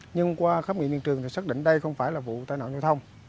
nhưng qua khám nghiệm yên trường thì xác định đây không phải là vụ tài nạo giao thông